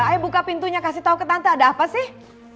ayo buka pintunya kasih tahu ke tante ada apa sih